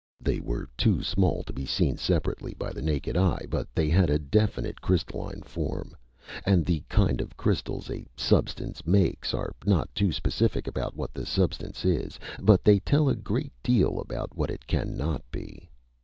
They were too small to be seen separately by the naked eye, but they had a definite crystalline form. And the kind of crystals a substance makes are not too specific about what the substance is, but they tell a great deal about what it cannot be.